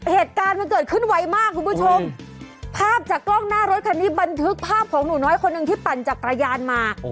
เหตุการณ์มันเกิดขึ้นไวมากคุณผู้ชมภาพจากกล้องหน้ารถคันนี้บันทึกภาพของหนูน้อยคนหนึ่งที่ปั่นจักรยานมา